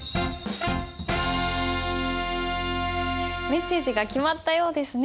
メッセージが決まったようですね。